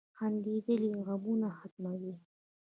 • خندېدل غمونه ختموي.